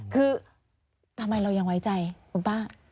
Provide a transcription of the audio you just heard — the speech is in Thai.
คือทำไมเรายังไว้ใจคุณป้า